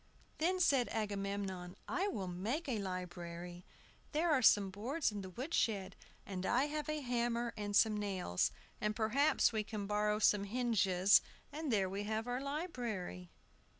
Then said Agamemnon, "I will make a library. There are some boards in the wood shed, and I have a hammer and some nails, and perhaps we can borrow some hinges, and there we have our library!"